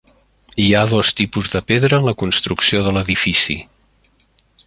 Hi ha dos tipus de pedra en la construcció de l'edifici.